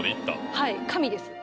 はい「神」です